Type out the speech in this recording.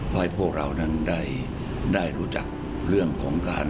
ก็ให้พวกเรานั้นได้รู้จักเรื่องของการ